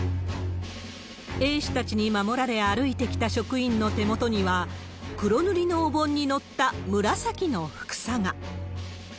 衛視たちに守られ、歩いてきた職員の手元には、黒塗りのお盆に載った紫のふくさが。